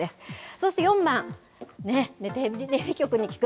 そして４番、ね、テレビ局に聞く。